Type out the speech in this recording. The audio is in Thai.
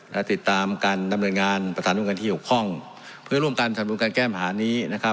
และติดตามการดำเนินงานประสานวงการที่หกคร่องเพื่อร่วมกันการแก้ปัญหานี้